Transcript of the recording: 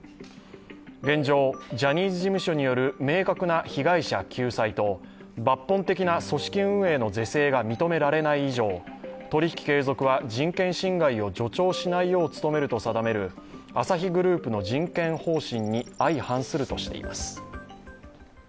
現状、ジャニーズ事務所による明確な被害者救済と抜本的な組織運営の是正が認められない以上、取り引き継続は人権侵害を助長しないよう努めると定めるアサヒグループの人権方針に相反するとしています。